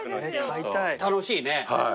楽しいね。